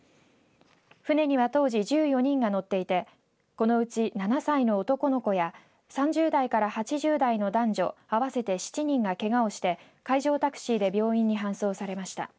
船には当時１４人が乗っていてこのうち７歳の男の子や３０代から８０代の男女合わせて７人がけがをして海上タクシーで病院に搬送されました。